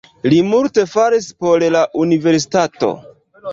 Li multe faris por la universitato.